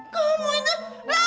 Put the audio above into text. kamu itu laura